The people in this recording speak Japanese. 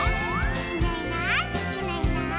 「いないいないいないいない」